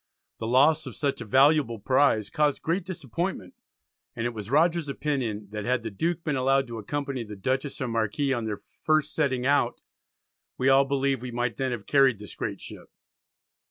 The loss of such a valuable prize caused great disappointment, and it was Rogers's opinion, that had the Duke been allowed to accompany the Dutchess and Marquis on their first setting out "we all believe we might then have carried this great ship."